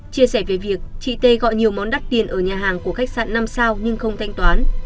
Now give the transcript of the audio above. chia sẻ về việc chị t gọi nhiều món đắt tiền ở nhà hàng của khách sạn năm sao nhưng không thanh toán